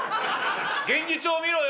現実を見ろよ。